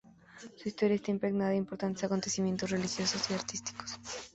Su historia está impregnada de importantes acontecimientos religiosos y artísticos.